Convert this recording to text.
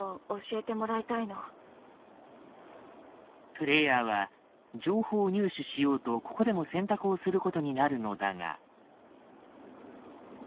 プレイヤーは情報を入手しようとここでも選択をすることになるのだが。